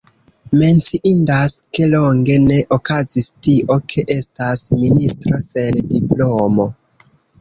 Menciindas, ke longe ne okazis tio, ke estas ministro sen diplomo.